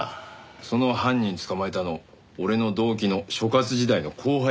その犯人捕まえたの俺の同期の所轄時代の後輩。